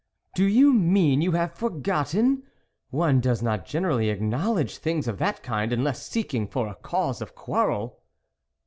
" Do you mean you have forgotten ? One does not generally acknowledge things of that kind, unless seeking for a cause of quarrel."